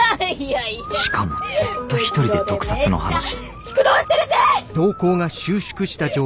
しかもずっと一人で毒殺の話縮瞳してるし！